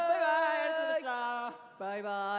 バイバーイ！